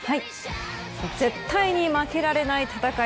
絶対に負けられない戦い